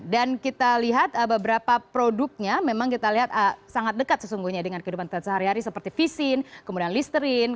dan kita lihat beberapa produknya memang kita lihat sangat dekat sesungguhnya dengan kehidupan sehari hari seperti visin kemudian listerine